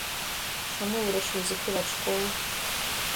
Чаму вырашылі закрываць школу?